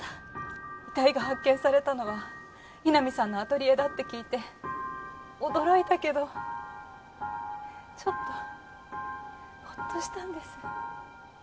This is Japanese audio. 遺体が発見されたのは井波さんのアトリエだって聞いて驚いたけどちょっとホッとしたんです。